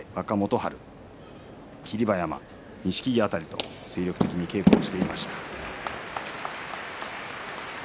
春霧馬山、錦木辺りと精力的に稽古していました。